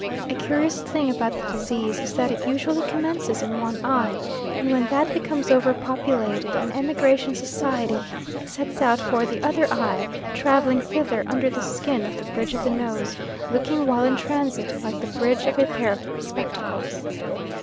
A curious thing about the disease is that it usually commences in one eye, and when that becomes over populated an emigration society sets out for the other eye, travelling thither under the skin of the bridge of the nose, looking while in transit like the bridge of a pair of spectacles.